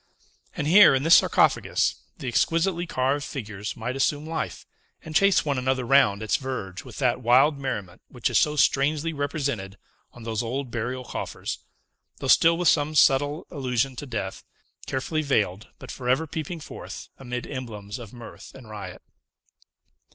And here, in this sarcophagus, the exquisitely carved figures might assume life, and chase one another round its verge with that wild merriment which is so strangely represented on those old burial coffers: though still with some subtile allusion to death, carefully veiled, but forever peeping forth amid emblems of mirth and riot.